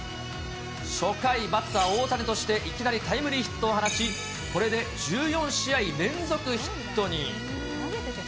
初回、バッター、大谷として、いきなりタイムリーヒットを放ち、これで１４試合連続ヒットに。